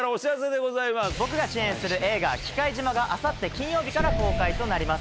僕が主演する映画『忌怪島』があさって金曜日から公開となります。